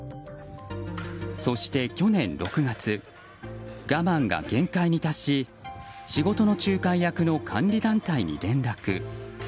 そして去年６月我慢が限界に達し仕事の仲介役の管理団体に連絡。